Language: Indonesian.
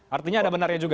artinya ada benarnya juga